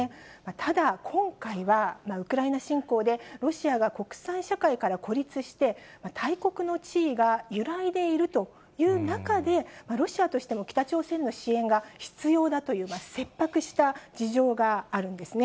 ただ、今回はウクライナ侵攻で、ロシアが国際社会から孤立して、大国の地位が揺らいでいるという中で、ロシアとしても北朝鮮の支援が必要だという切迫した事情があるんですね。